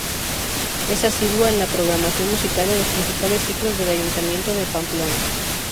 Es asidua en la programación musical de los principales ciclos del Ayuntamiento de Pamplona.